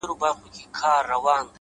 دا چي د سونډو د خندا له دره ولويږي.!